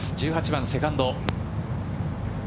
１８番、セカンド。